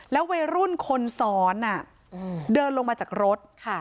วัยรุ่นคนซ้อนเดินลงมาจากรถ